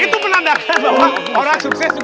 itu menandakan bahwa orang sukses